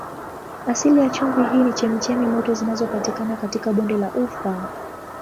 Asili ya chumvi hii ni chemchemi moto zinazopatikana katika bonde la Ufa.